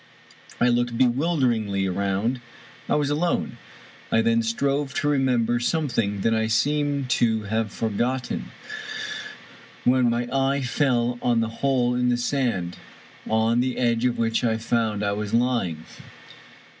I looked bewilderingly around : I was alone ! I then strove to remember something that I seemed to have forgotten, when my eye fell on the hole in the sand, on the edge of which I found I was lying.